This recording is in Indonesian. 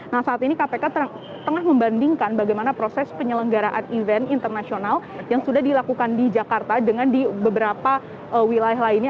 nah saat ini kpk tengah membandingkan bagaimana proses penyelenggaraan event internasional yang sudah dilakukan di jakarta dengan di beberapa wilayah lainnya